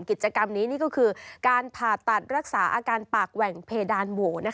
กิจกรรมนี้นี่ก็คือการผ่าตัดรักษาอาการปากแหว่งเพดานโหว